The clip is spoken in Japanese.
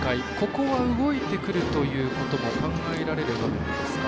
ここは動いてくるということもおっしゃるとおりですね。